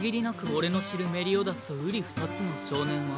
俺の知るメリオダスと瓜二つの少年は。